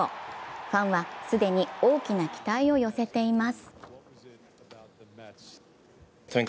ファンは既に大きな期待を寄せています。